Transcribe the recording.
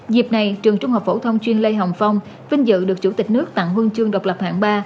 dịp này trường trung học phổ thông chuyên lê hồng phong vinh dự được chủ tịch nước tặng huân chương độc lập hạng ba